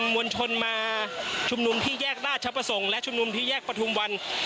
มวลชนมาชุมนุมที่แยกราชประสงค์และชุมนุมที่แยกประทุมวัน